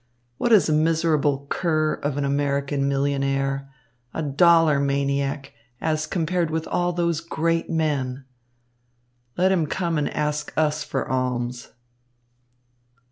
What is a miserable cur of an American millionaire, a dollar maniac, as compared with all those great men? Let him come and ask us for alms."